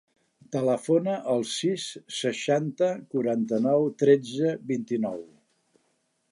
Telefona al sis, seixanta, quaranta-nou, tretze, vint-i-nou.